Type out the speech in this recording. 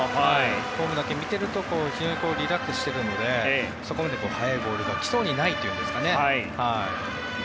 フォームだけ見てると非常にリラックスしているのでそこまで速いボールが来そうにないというんですかね。